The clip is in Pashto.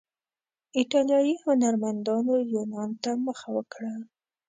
ایټالیایي هنرمندانو یونان ته مخه وکړه.